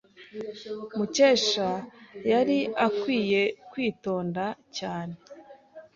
Mukesha yari akwiye kwitonda cyane.